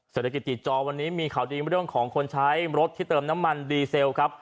เศรษฐกิจติดจอวันนี้มีข่าวดีเรื่องของคนใช้รถที่เติมน้ำมันดีเซลครับ